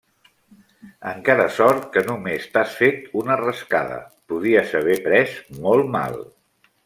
Encara sort que només t'has fet una rascada. Podies haver pres molt mal.